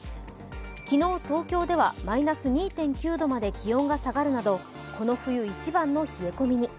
昨日、東京ではマイナス２．９度まで気温が下がるなどこの冬一番の冷え込みに。